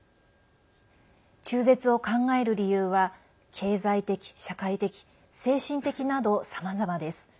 中絶を考える理由は経済的社会的、精神的などさまざまです。